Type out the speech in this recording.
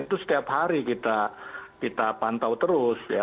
itu setiap hari kita pantau terus ya